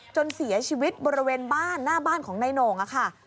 จนเสียชีวิตบริเวณบ้านหน้าบ้านของนายโหน่งค่ะ